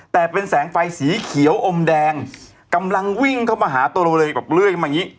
แต่เป็นแสงไฟสีเขียวอมแดงกำลังวิ่งเข้ามาหาตัวเราเลยแบบเลื่อยมาอย่างงี้